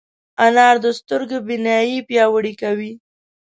انار د سترګو بینايي پیاوړې کوي.